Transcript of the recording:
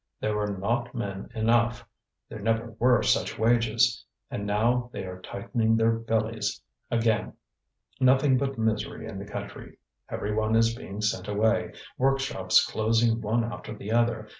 There were not men enough; there never were such wages. And now they are tightening their bellies again. Nothing but misery in the country; every one is being sent away; workshops closing one after the other.